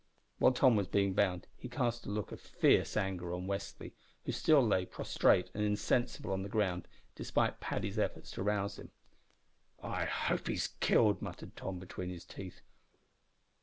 While Tom was being bound he cast a look of fierce anger on Westly, who still lay prostrate and insensible on the ground, despite Paddy's efforts to rouse him. "I hope he is killed," muttered Tom between his teeth.